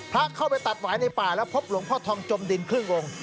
เข้าไปตัดหวายในป่าแล้วพบหลวงพ่อทองจมดินครึ่งองค์